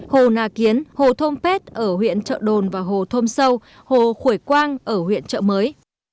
hồ nà kiến hồ thôm pét ở huyện trợ đồn và hồ thôm sâu hồ khuổi quang ở huyện trợ mới